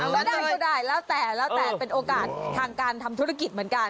ก็ได้แล้วแต่เป็นโอกาสทางการทำธุรกิจเหมือนกัน